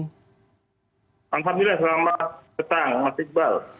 alhamdulillah selamat petang mas iqbal